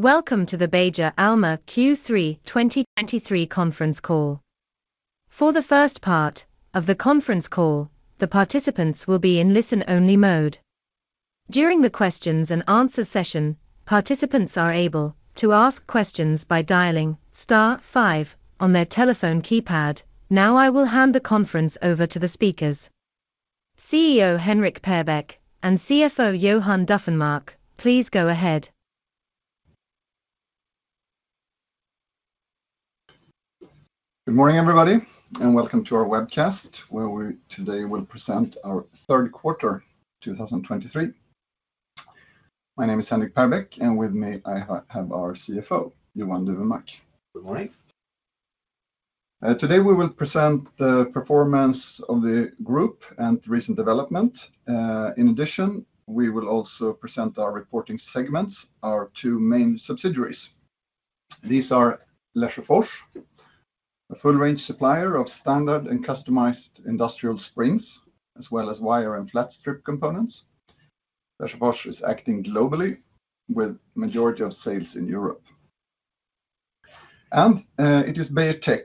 Welcome to the Beijer Alma Q3 2023 conference call. For the first part of the conference call, the participants will be in listen-only mode. During the questions and answer session, participants are able to ask questions by dialing star five on their telephone keypad. Now, I will hand the conference over to the speakers. CEO, Henrik Perbeck, and CFO, Johan Dufvenmark, please go ahead. Good morning, everybody, and welcome to our webcast, where we today will present our Q3, 2023. My name is Henrik Perbeck, and with me, I have our CFO, Johan Dufvenmark. Good morning. Today we will present the performance of the group and recent development. In addition, we will also present our reporting segments, our two main subsidiaries. These are Lesjöfors, a full range supplier of standard and customized industrial springs, as well as wire and flat strip components. Lesjöfors is acting globally with majority of sales in Europe. And it is Beijer Tech,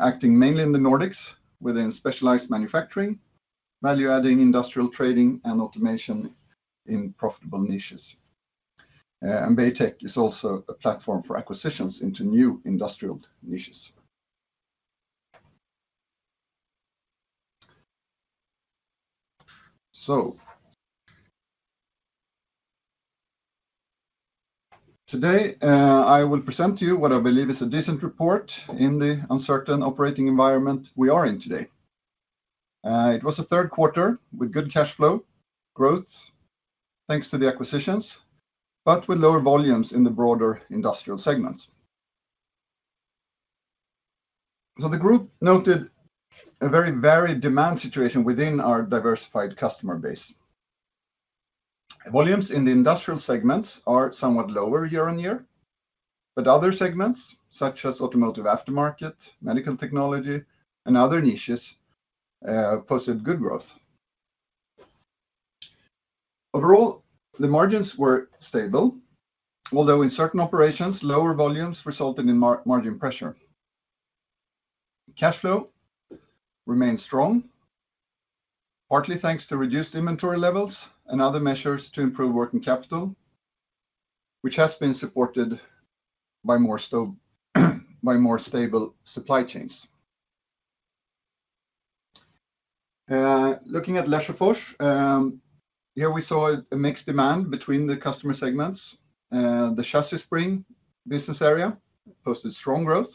acting mainly in the Nordics within specialized manufacturing, value-adding industrial trading and automation in profitable niches. And Beijer Tech is also a platform for acquisitions into new industrial niches. So, today I will present to you what I believe is a decent report in the uncertain operating environment we are in today. It was a Q3 with good cash flow, growth, thanks to the acquisitions, but with lower volumes in the broader industrial segments. The group noted a very varied demand situation within our diversified customer base. Volumes in the industrial segments are somewhat lower year on year, but other segments, such as automotive aftermarket, medical technology, and other niches, posted good growth. Overall, the margins were stable, although in certain operations, lower volumes resulted in margin pressure. Cash flow remained strong, partly thanks to reduced inventory levels and other measures to improve working capital, which has been supported by more stable supply chains. Looking at Lesjöfors, here we saw a mixed demand between the customer segments. The chassis spring business area posted strong growth.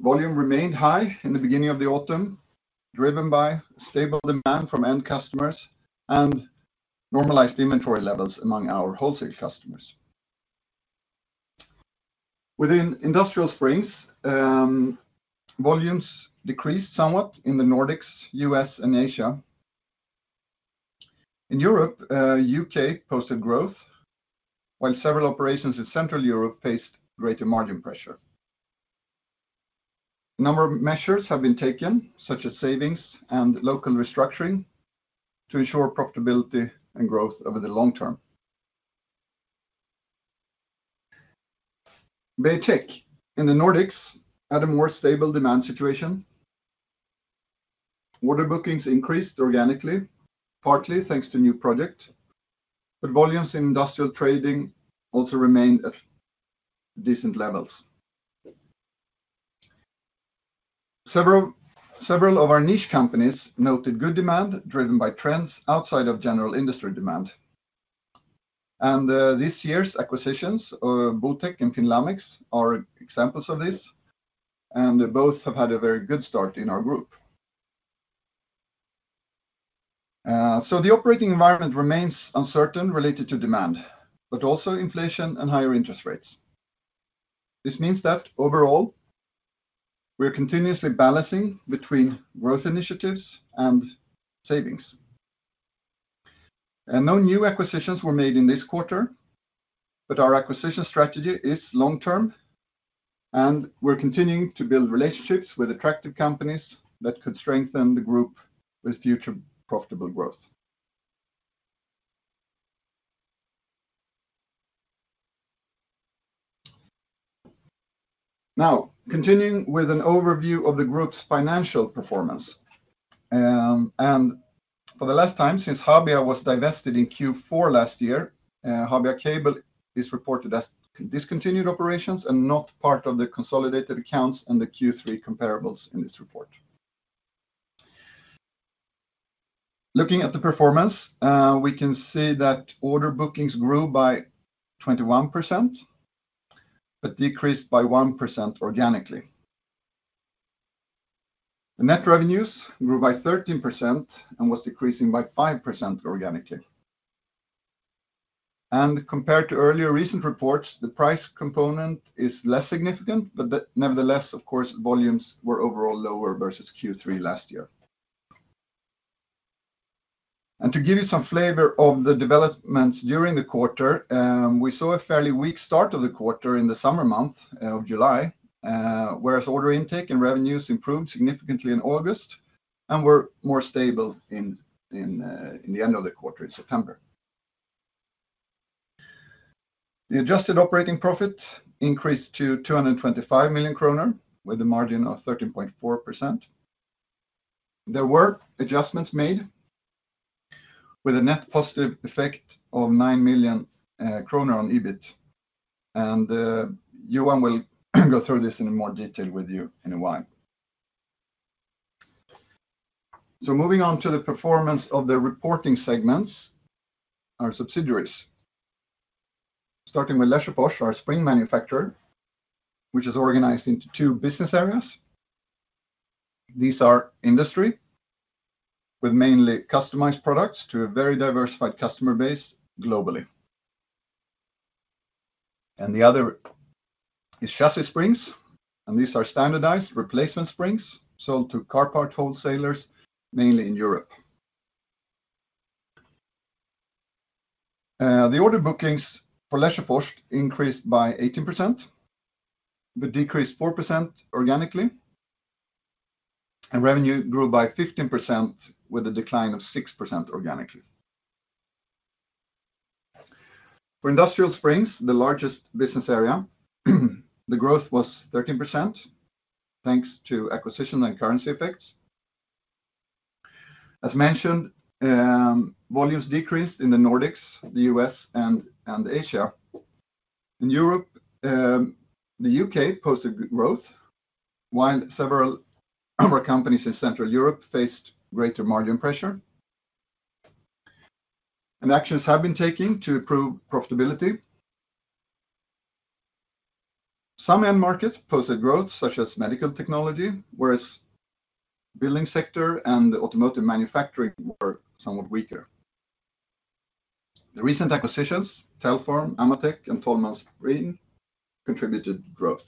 Volume remained high in the beginning of the autumn, driven by stable demand from end customers and normalized inventory levels among our wholesale customers. Within industrial springs, volumes decreased somewhat in the Nordics, U.S., and Asia. In Europe, UK posted growth, while several operations in Central Europe faced greater margin pressure. A number of measures have been taken, such as savings and local restructuring, to ensure profitability and growth over the long term. Beijer Tech in the Nordics, at a more stable demand situation, order bookings increased organically, partly thanks to new project, but volumes in industrial trading also remained at decent levels. Several of our niche companies noted good demand driven by trends outside of general industry demand. And, this year's acquisitions, Botek and Finn Lamex, are examples of this, and both have had a very good start in our group. So the operating environment remains uncertain related to demand, but also inflation and higher interest rates. This means that overall, we're continuously balancing between growth initiatives and savings. No new acquisitions were made in this quarter, but our acquisition strategy is long-term, and we're continuing to build relationships with attractive companies that could strengthen the group with future profitable growth. Now, continuing with an overview of the group's financial performance. For the last time, since Habia was divested in Q4 last year, Habia Cable is reported as discontinued operations and not part of the consolidated accounts and the Q3 comparables in this report. Looking at the performance, we can see that order bookings grew by 21%, but decreased by 1% organically. The net revenues grew by 13% and was decreasing by 5% organically. Compared to earlier recent reports, the price component is less significant, but nevertheless, of course, volumes were overall lower versus Q3 last year. To give you some flavor of the developments during the quarter, we saw a fairly weak start of the quarter in the summer month of July, whereas order intake and revenues improved significantly in August and were more stable in the end of the quarter, in September. The adjusted operating profit increased to 225 million kronor, with a margin of 13.4%. There were adjustments made with a net positive effect of 9 million kronor on EBIT, and Johan will go through this in more detail with you in a while. Moving on to the performance of the reporting segments, our subsidiaries. Starting with Lesjöfors, our spring manufacturer, which is organized into two business areas. These are industry, with mainly customized products to a very diversified customer base globally. The other is chassis springs, and these are standardized replacement springs sold to car part wholesalers, mainly in Europe. The order bookings for Lesjöfors increased by 18%, but decreased 4% organically, and revenue grew by 15% with a decline of 6% organically. For industrial springs, the largest business area, the growth was 13%, thanks to acquisition and currency effects. As mentioned, volumes decreased in the Nordics, the U.S., and Asia. In Europe, the U.K. posted good growth, while several other companies in Central Europe faced greater margin pressure. Actions have been taken to improve profitability. Some end markets posted growth, such as medical technology, whereas building sector and automotive manufacturing were somewhat weaker. The recent acquisitions, Telform, Amatec, and Tollman Spring, contributed to growth.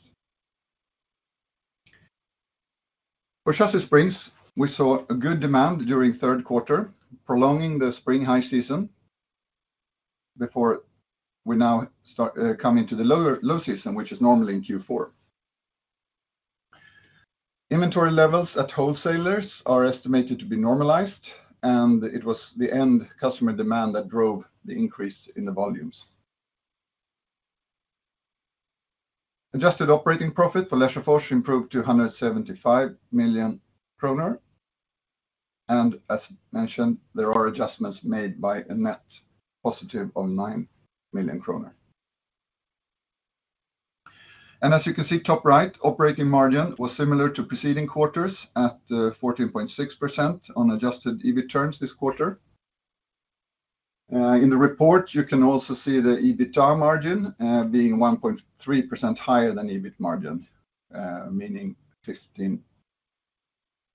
For Chassis Springs, we saw a good demand during Q3, prolonging the spring high season before we now start, come into the low season, which is normally in Q4. Inventory levels at wholesalers are estimated to be normalized, and it was the end customer demand that drove the increase in the volumes. Adjusted operating profit for Lesjöfors improved to 175 million kronor, and as mentioned, there are adjustments made by a net positive 9 million kronor. As you can see, top right, operating margin was similar to preceding quarters at 14.6% on adjusted EBIT terms this quarter. In the report, you can also see the EBITA margin being 1.3% higher than EBIT margin, meaning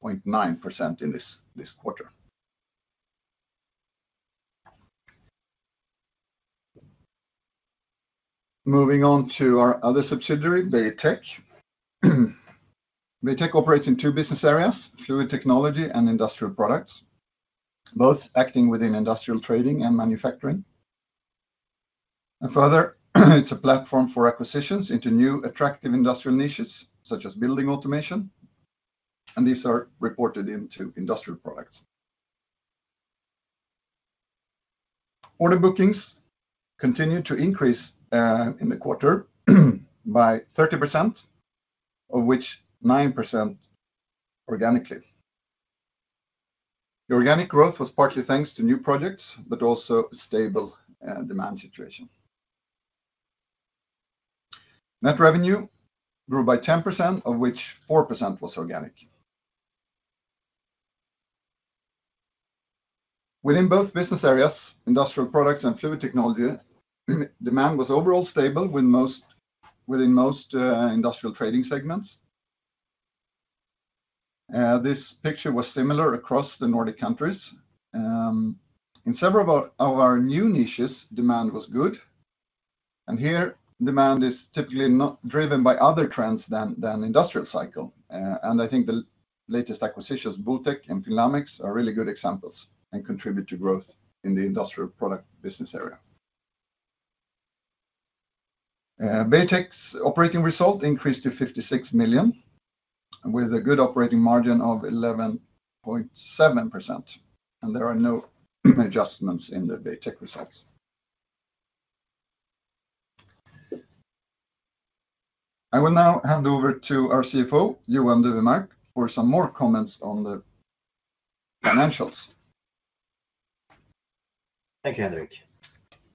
15.9% in this quarter. Moving on to our other subsidiary, Beijer Tech. Tech operates in two business areas, fluid technology and industrial products, both acting within industrial trading and manufacturing. Further, it's a platform for acquisitions into new, attractive industrial niches such as building automation, and these are reported into industrial products. Order bookings continued to increase in the quarter by 30%, of which 9% organically. The organic growth was partly thanks to new projects, but also a stable demand situation. Net revenue grew by 10%, of which 4% was organic. Within both business areas, industrial products and fluid technology, demand was overall stable, within most industrial trading segments. This picture was similar across the Nordic countries. In several of our new niches, demand was good, and here, demand is typically not driven by other trends than industrial cycle. I think the latest acquisitions, Botek and Finn Lamex, are really good examples and contribute to growth in the industrial product business area. Beijer Tech's operating result increased to 56 million, with a good operating margin of 11.7%, and there are no adjustments in the Beijer Tech results. I will now hand over to our CFO, Johan Dufvenmark, for some more comments on the financials. Thank you, Henrik.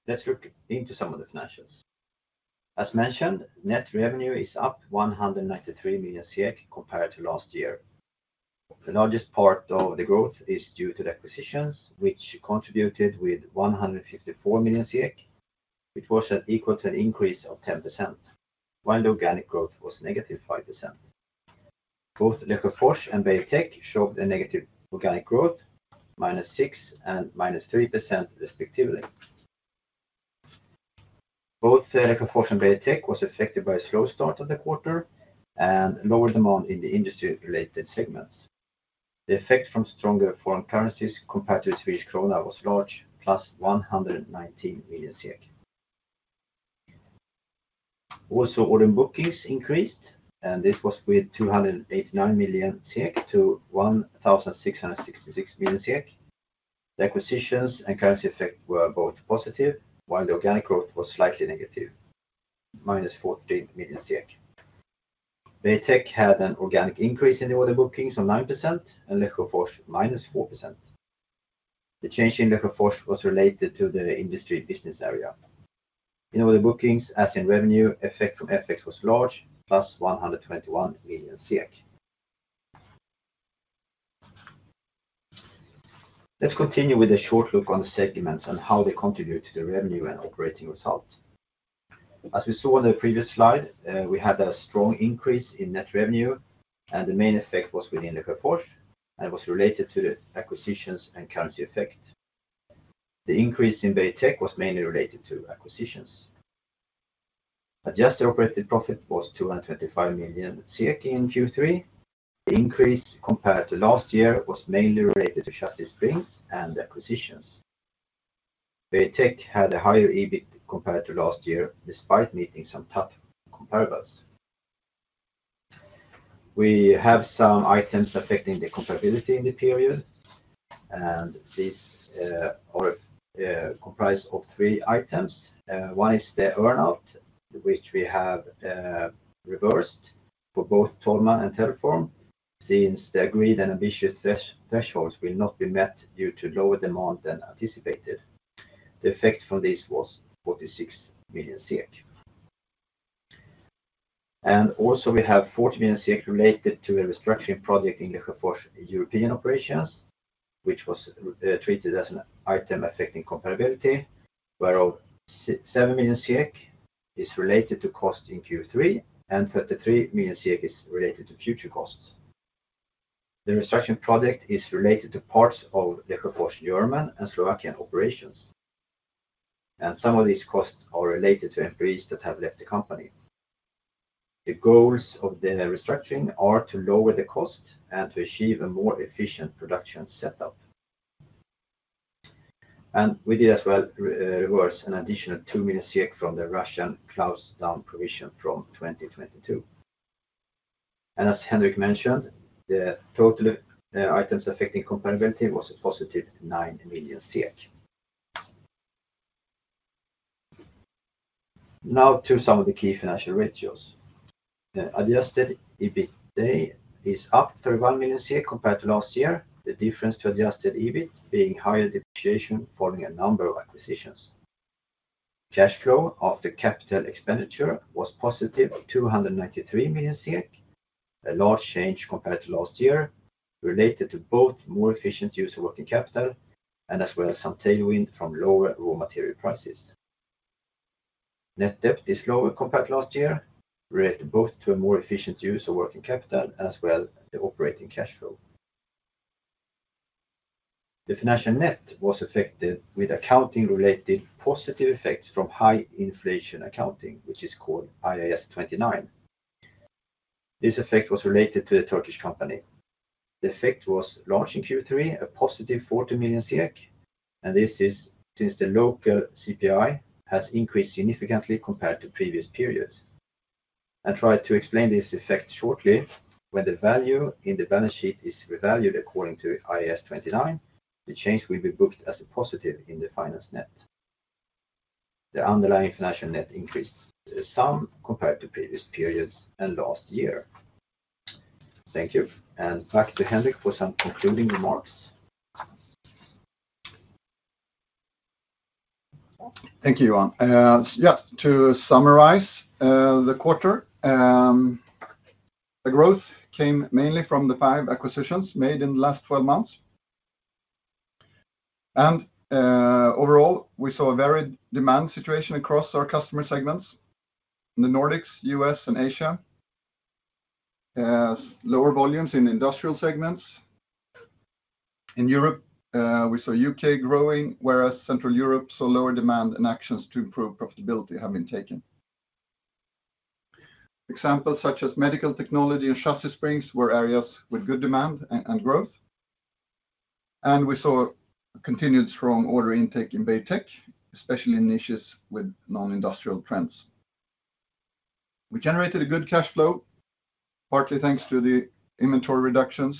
Let's look into some of the financials. As mentioned, net revenue is up 193 million compared to last year. The largest part of the growth is due to the acquisitions, which contributed with 154 million. It was an equal to an increase of 10%, while the organic growth was -5%. Both Lesjöfors and Beijer Tech showed a negative organic growth, -6% and -3%, respectively. Both Lesjöfors and Beijer Tech was affected by a slow start of the quarter and lower demand in the industry-related segments. The effect from stronger foreign currencies compared to Swedish krona was large, +119 million SEK.... Also, order bookings increased, and this was with 289 million to 1,666 million. The acquisitions and currency effect were both positive, while the organic growth was slightly negative, -14 million SEK. Beijer Tech had an organic increase in the order bookings of 9%, and Lesjöfors -4%. The change in Lesjöfors was related to the industry business area. In order bookings, as in revenue, effect from FX was large, +121 million SEK. Let's continue with a short look on the segments and how they contribute to the revenue and operating results. As we saw on the previous slide, we had a strong increase in net revenue, and the main effect was within the Lesjöfors, and it was related to the acquisitions and currency effect. The increase in Beijer Tech was mainly related to acquisitions. Adjusted operating profit was 225 million in Q3. The increase compared to last year was mainly related to Chassis Springs and the acquisitions. Beijer Tech had a higher EBIT compared to last year, despite meeting some tough comparables. We have some items affecting the comparability in the period, and these are comprised of three items. One is the earn-out, which we have reversed for both Tollman and Telform, since the agreed and ambitious thresholds will not be met due to lower demand than anticipated. The effect from this was 46 million. And also, we have 40 million related to a restructuring project in Lesjöfors European operations, which was treated as an item affecting comparability, whereof 7 million SEK is related to cost in Q3, and 33 million SEK is related to future costs. The restructuring project is related to parts of the Lesjöfors German and Slovakian operations, and some of these costs are related to employees that have left the company. The goals of the restructuring are to lower the cost and to achieve a more efficient production setup. And we did as well, reverse an additional 2 million from the Russian closed down provision from 2022. And as Henrik mentioned, the total, items affecting comparability was a positive 9 million. Now to some of the key financial ratios. The adjusted EBITA is up 31 million compared to last year, the difference to adjusted EBIT being higher depreciation, following a number of acquisitions. Cash flow of the capital expenditure was positive, 293 million, a large change compared to last year, related to both more efficient use of working capital and as well as some tailwind from lower raw material prices. Net debt is lower compared to last year, related both to a more efficient use of working capital as well as the operating cash flow. The financial net was affected with accounting-related positive effects from high inflation accounting, which is called IAS 29. This effect was related to the Turkish company. The effect was large in Q3, a positive 40 million, and this is since the local CPI has increased significantly compared to previous periods. I'll try to explain this effect shortly. When the value in the balance sheet is revalued according to IAS 29, the change will be booked as a positive in the finance net. The underlying financial net increased some compared to previous periods and last year. Thank you, and back to Henrik for some concluding remarks. Thank you, Johan. Yeah, to summarize the quarter, the growth came mainly from the five acquisitions made in the last twelve months. Overall, we saw a varied demand situation across our customer segments. In the Nordics, U.S., and Asia, lower volumes in industrial segments. In Europe, we saw U.K. growing, whereas Central Europe saw lower demand and actions to improve profitability have been taken. Examples such as medical technology and Chassis Springs were areas with good demand and growth, and we saw a continued strong order intake in Beijer Tech, especially in niches with non-industrial trends. We generated a good cash flow, partly thanks to the inventory reductions.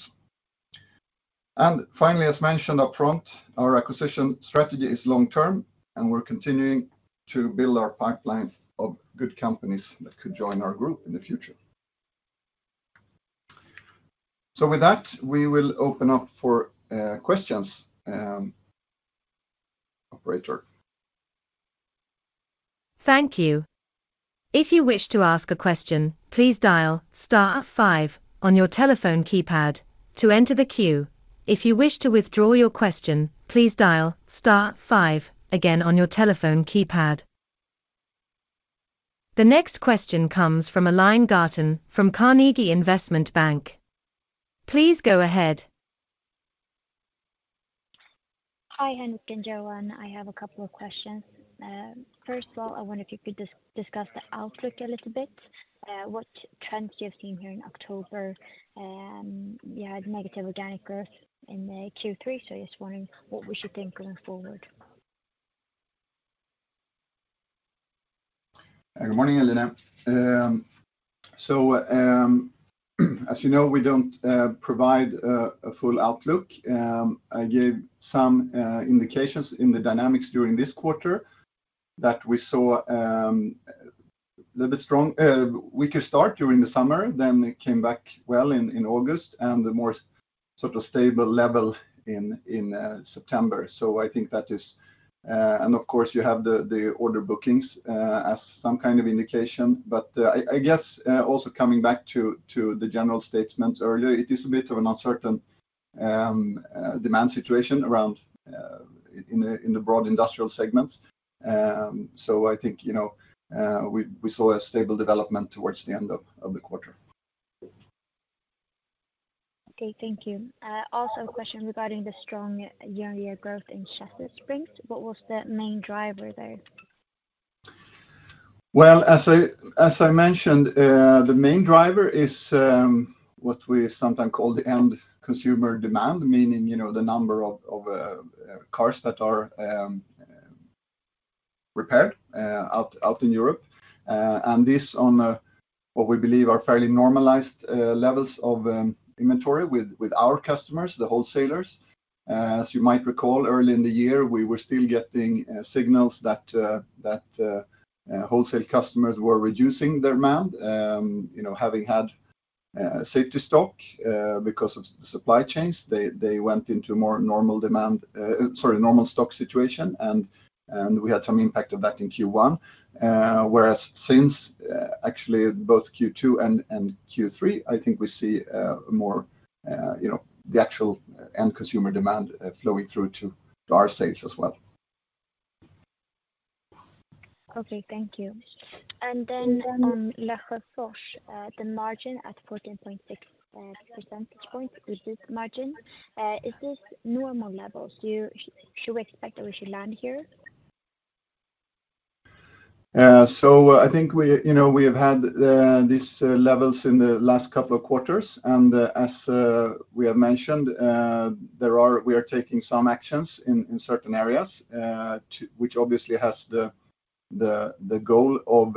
And finally, as mentioned up front, our acquisition strategy is long-term, and we're continuing to build our pipeline of good companies that could join our group in the future. With that, we will open up for questions, operator. Thank you. If you wish to ask a question, please dial star five on your telephone keypad to enter the queue. If you wish to withdraw your question, please dial star five again on your telephone keypad. The next question comes from Elinor Garten from Carnegie Investment Bank. Please go ahead. Hi, Henrik and Johan. I have a couple of questions. First of all, I wonder if you could discuss the outlook a little bit? What trends you have seen here in October? And you had negative organic growth in the Q3, so I just wondering what we should think going forward. Good morning, Elena. So, as you know, we don't provide a full outlook. I gave some indications in the dynamics during this quarter that we saw a little bit strong, weaker start during the summer, then it came back well in August and the more sort of stable level in September. So I think that is... And of course, you have the order bookings as some kind of indication. But, I guess, also coming back to the general statements earlier, it is a bit of an uncertain demand situation around in the broad industrial segment. So I think, you know, we saw a stable development towards the end of the quarter. Okay, thank you. Also a question regarding the strong year-on-year growth in Chassis Springs. What was the main driver there? Well, as I mentioned, the main driver is what we sometimes call the end consumer demand, meaning, you know, the number of cars that are repaired out in Europe. And this on what we believe are fairly normalized levels of inventory with our customers, the wholesalers. As you might recall, early in the year, we were still getting signals that wholesale customers were reducing their demand. You know, having had safety stock because of supply chains, they went into more normal demand, sorry, normal stock situation, and we had some impact of that in Q1. Whereas since, actually both Q2 and Q3, I think we see more, you know, the actual end consumer demand flowing through to our sales as well. Okay, thank you. And then on Lesjöfors, the margin at 14.6 percentage points, is this margin, is this normal levels? Should we expect that we should land here? So I think we, you know, we have had these levels in the last couple of quarters, and as we have mentioned, we are taking some actions in certain areas to which obviously has the goal of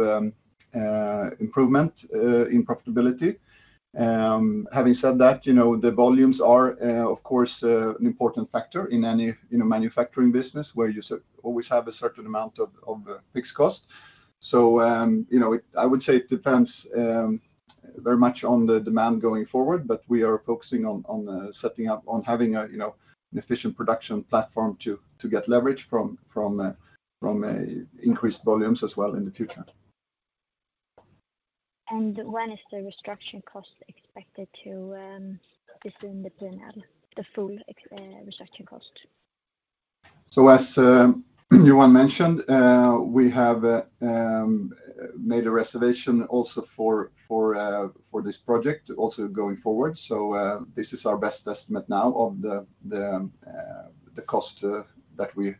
improvement in profitability. Having said that, you know, the volumes are of course an important factor in any, you know, manufacturing business where you always have a certain amount of fixed cost. So, you know, it, I would say it depends very much on the demand going forward, but we are focusing on setting up, on having a, you know, an efficient production platform to get leverage from increased volumes as well in the future. When is the restructuring cost expected to be seen in the P&L, the full restructuring cost? So as Johan mentioned, we have made a reservation also for this project, also going forward. So, this is our best estimate now of the cost that we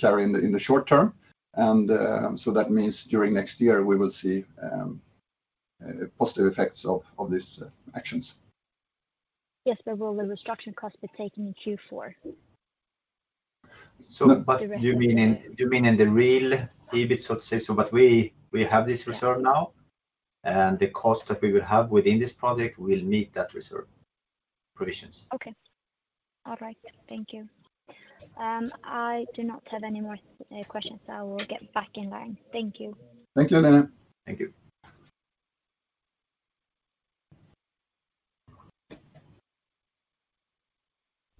carry in the short term. And so that means during next year, we will see positive effects of these actions. Yes, but will the restructuring cost be taken in Q4? But you mean in the real EBIT, so to say, but we have this reserve now, and the cost that we will have within this project will meet that reserve provisions. Okay. All right, thank you. I do not have any more questions. I will get back in line. Thank you. Thank you, Elena. Thank you.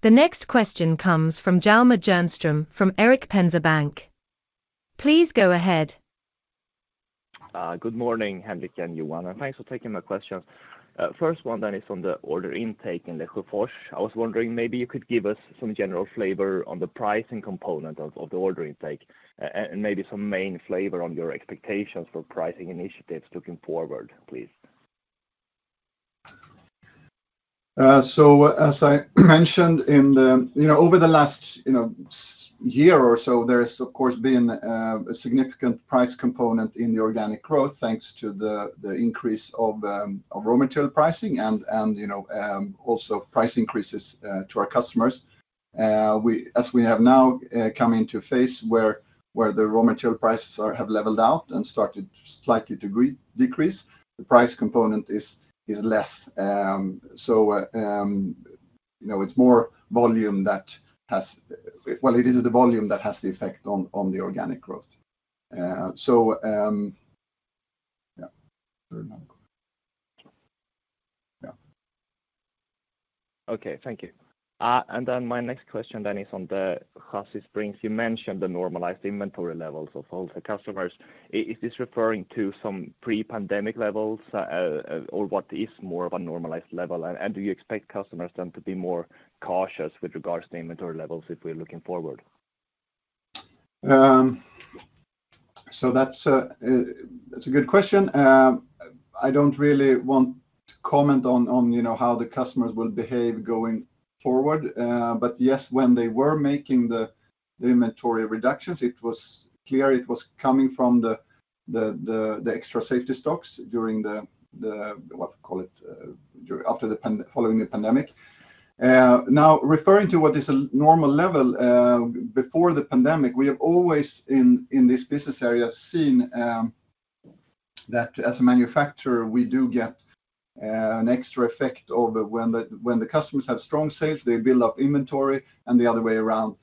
The next question comes from Hjalmar Jernström from Erik Penser Bank. Please go ahead. Good morning, Henrik and Johan, and thanks for taking my questions. First one then is on the order intake in Lesjöfors. I was wondering, maybe you could give us some general flavor on the pricing component of, of the order intake, and, and maybe some main flavor on your expectations for pricing initiatives looking forward, please. So as I mentioned in the... You know, over the last, you know, year or so, there's of course been a significant price component in the organic growth, thanks to the increase of raw material pricing and, you know, also price increases to our customers. As we have now come into a phase where the raw material prices have leveled out and started slightly to decrease, the price component is less. So, you know, it's more volume that has... Well, it is the volume that has the effect on the organic growth. So, yeah. Yeah. Okay, thank you. And then my next question then is on the Chassis Springs. You mentioned the normalized inventory levels of all the customers. Is this referring to some pre-pandemic levels, or what is more of a normalized level? And do you expect customers then to be more cautious with regards to inventory levels if we're looking forward? So that's a good question. I don't really want to comment on, on, you know, how the customers will behave going forward. But yes, when they were making the extra safety stocks during the what you call it, following the pandemic. Now, referring to what is a normal level, before the pandemic, we have always in this business area seen that as a manufacturer, we do get an extra effect over when the customers have strong sales, they build up inventory, and the other way around.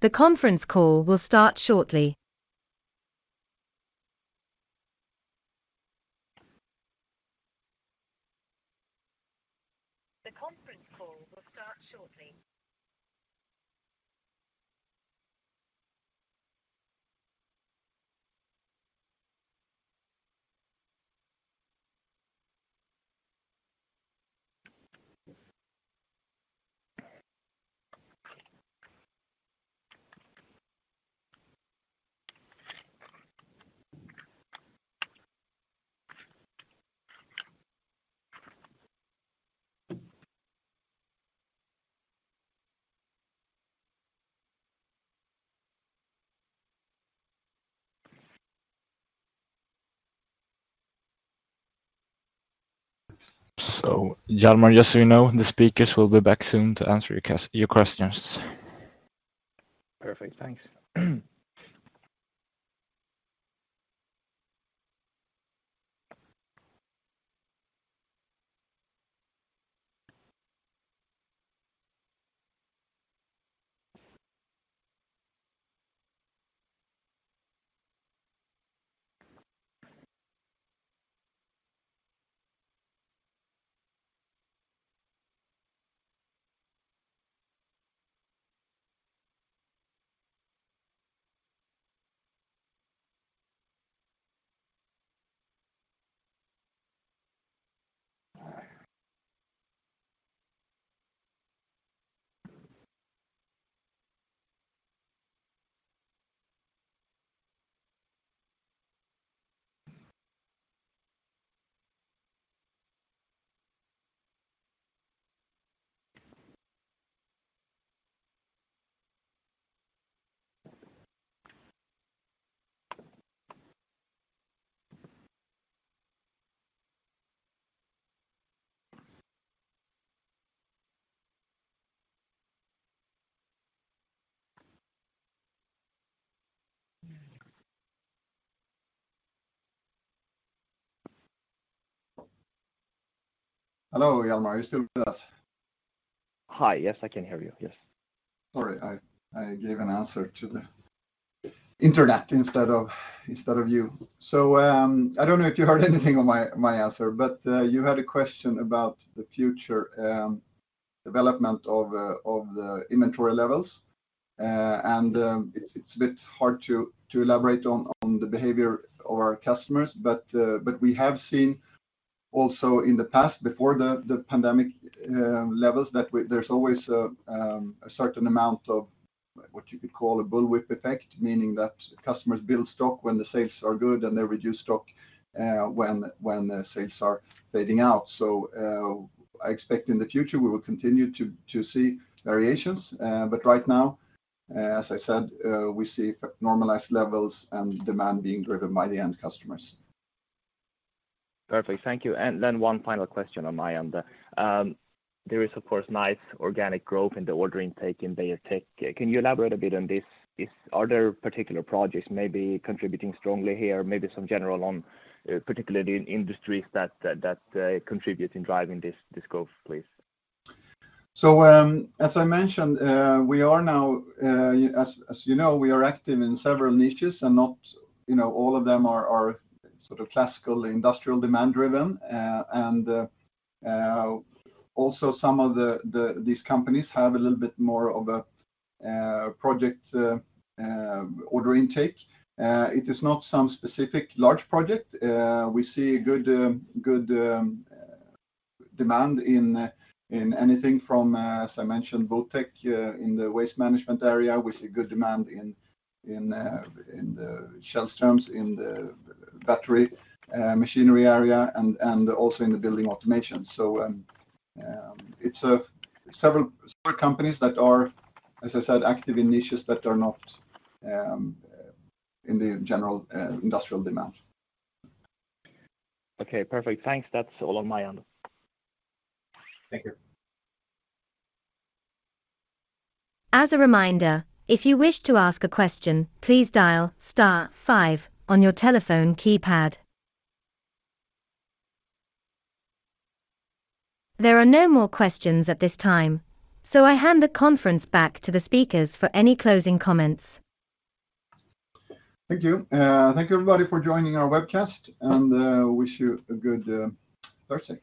The conference call will start shortly. The conference call will start shortly. Hjalmar, just so you know, the speakers will be back soon to answer your questions. Perfect. Thanks. Hello, Hjalmar, are you still with us? Hi, yes, I can hear you. Yes. Sorry, I gave an answer to the internet instead of you. So, I don't know if you heard anything on my answer, but you had a question about the future development of the inventory levels. And it's a bit hard to elaborate on the behavior of our customers, but we have seen also in the past, before the pandemic levels, that there's always a certain amount of what you could call a bullwhip effect, meaning that customers build stock when the sales are good, and they reduce stock when the sales are fading out. So, I expect in the future, we will continue to see variations. Right now, as I said, we see normalized levels and demand being driven by the end customers. Perfect. Thank you. And then one final question on my end. There is, of course, nice organic growth in the order intake in Beijer Tech. Can you elaborate a bit on this? Are there particular projects maybe contributing strongly here, maybe some general on particular industries that contributes in driving this growth, please? As I mentioned, we are now, as you know, we are active in several niches, and not, you know, all of them are sort of classical industrial demand-driven. Also, some of these companies have a little bit more of a project order intake. It is not some specific large project. We see good demand in anything from, as I mentioned, Botek in the waste management area. We see good demand in, in the Källström, in the battery machinery area and also in the building automation. It's several companies that are, as I said, active in niches that are not in the general industrial demand. Okay, perfect. Thanks. That's all on my end. Thank you. As a reminder, if you wish to ask a question, please dial star five on your telephone keypad. There are no more questions at this time, so I hand the conference back to the speakers for any closing comments. Thank you. Thank you, everybody, for joining our webcast, and wish you a good Thursday.